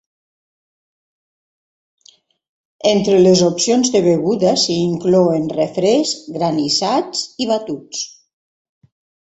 Entre les opcions de beguda s'hi inclouen refrescs, granissats i batuts.